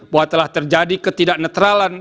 bahwa telah terjadi ketidak netralan